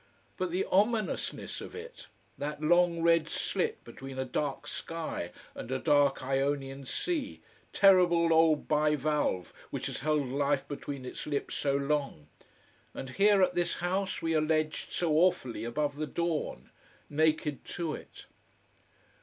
But the ominousness of it: that long red slit between a dark sky and a dark Ionian sea, terrible old bivalve which has held life between its lips so long. And here, at this house, we are ledged so awfully above the dawn, naked to it.